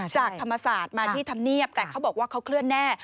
จากธรรมศาสตร์มาที่ธรรมเนียบแต่เขาบอกว่าเขาเคลื่อนแน่